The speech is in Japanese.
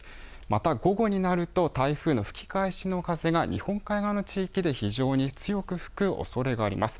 また午後になると、台風の吹き返しの風が日本海側の地域で非常に強く吹くおそれがあります。